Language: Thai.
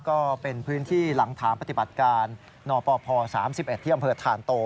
ก็เป็นพื้นที่หลังฐานปฏิบัติการนปพ๓๑ที่อำเภอธานโต